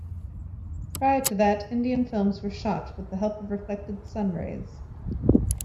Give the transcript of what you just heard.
Prior to that Indian films were shot with the help of reflected sunrays.